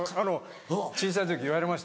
小さい時言われましたよ。